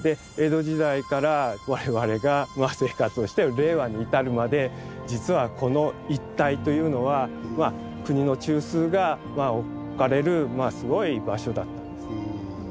江戸時代から我々が生活をしてる令和に至るまで実はこの一帯というのは国の中枢が置かれるすごい場所だったんです。